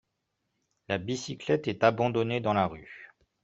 La bicyclette est abandonnée dans la rue